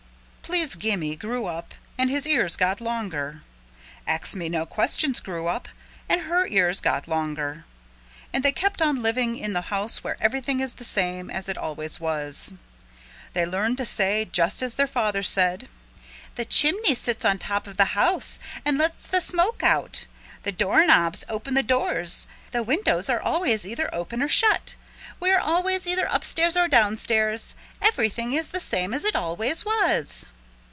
Please Gimme grew up and his ears got longer. Ax Me No Questions grew up and her ears got longer. And they kept on living in the house where everything is the same as it always was. They learned to say just as their father said, "The chimney sits on top of the house and lets the smoke out, the doorknobs open the doors, the windows are always either open or shut, we are always either upstairs or downstairs everything is the same as it always was."